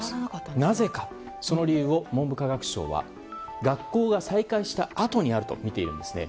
なぜか、その理由を文部科学省は学校が再開したあとにあるとみているんですね。